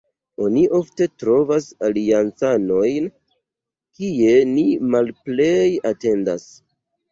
Oni ofte trovas aliancanojn kie ni malplej atendas.